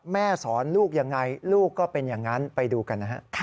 แม่สอนลูกยังไงลูกก็เป็นอย่างนั้นไปดูกันนะฮะ